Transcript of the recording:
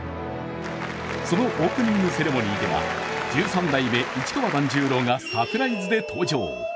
そのオープニングセレモニーでは、十三代目市川團十郎がサプライズで登場。